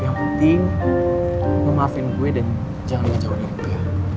yang penting lu maafin gue dan jangan ngejauhin gua ya